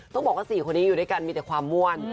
ต้องบอกว่า๔คนนี้อยู่ด้วยกันมีแต่ความม่วน